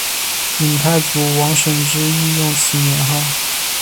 闽太祖王审知亦用此年号。